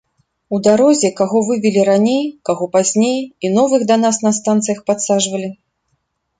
У дарозе каго вывелі раней, каго пазней, і новых да нас на станцыях падсаджвалі.